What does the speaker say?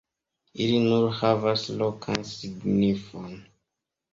Ili nur havas lokan signifon.